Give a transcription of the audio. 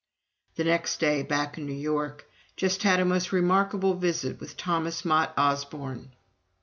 The next day, back in New York: "Just had a most remarkable visit with Thomas Mott Osborne."